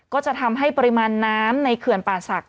ก็จะทำให้ปริมาณน้ำในเขื่อนป่าศักดิ